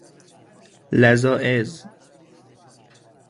لذائذ